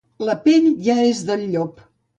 La pell ja és del llop.